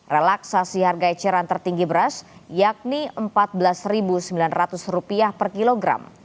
relaksasi harga eceran tertinggi beras yakni rp empat belas sembilan ratus per kilogram